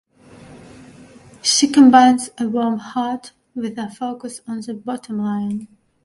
She combines a warm heart with a focus on the bottom line.